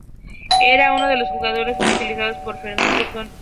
Era uno de los jugadores más utilizados por Ferguson.